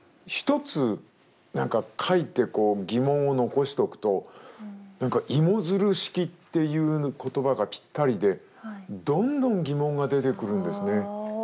一つ何か書いてこう疑問を残しておくと何か芋づる式っていう言葉がぴったりでどんどん疑問が出てくるんですね。